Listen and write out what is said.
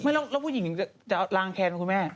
ไม่แล้วผู้หญิงนึงจะล้างแคลมคุณแม่